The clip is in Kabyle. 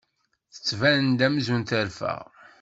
Tettban-d amzun terfa.